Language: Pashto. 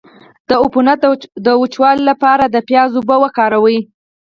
د عفونت د وچولو لپاره د پیاز اوبه وکاروئ